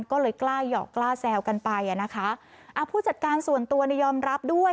ก็เลยกล้าหยอกกล้าแซวกันไปอ่ะนะคะอ่าผู้จัดการส่วนตัวเนี่ยยอมรับด้วย